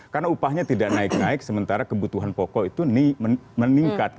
karena upahnya tidak naik naik sementara kebutuhan pokok itu meningkat